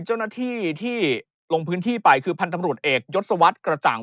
เจ้าหน้าที่ที่ลงพื้นที่ไปคือพันธบรวจเอกยศวรรษกระจ่าง